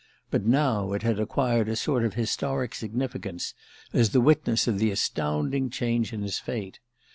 But now it had acquired a sort of historic significance as the witness of the astounding change in his fate.